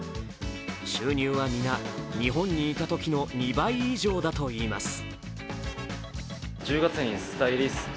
収入はみな、日本にいたときの２倍以上だといいます。